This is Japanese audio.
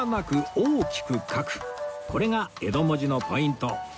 これが江戸文字のポイント